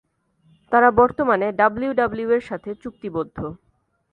তারা বর্তমানে ডাব্লিউডাব্লিউই-এর সাথে চুক্তিবদ্ধ।